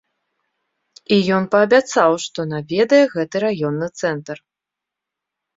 І ён паабяцаў, што наведае гэты раённы цэнтр.